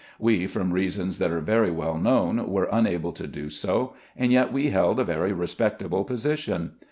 We, from reasons that are very well known, were unable to do so, and yet we held a very respectable position.